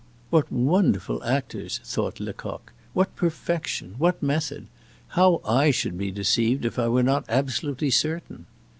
"What wonderful actors!" thought Lecoq; "what perfection! what method! How I should be deceived if I were not absolutely certain!"